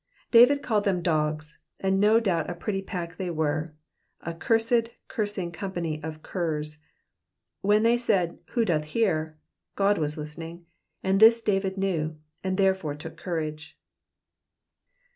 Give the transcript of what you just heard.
David called them dogs, and no doubt a pretty pack they were, a cursed cursing company of curs. When they said,/* Who doth hear?'' God was listening, and this David knew, and there fore took courage.